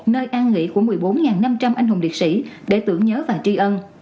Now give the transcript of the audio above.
nơi an nghỉ của một mươi bốn năm trăm linh anh hùng liệt sĩ để tưởng nhớ và tri ân